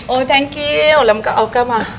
โอ้ยแท๊งกิ้วแล้วมันก็เอากลับมา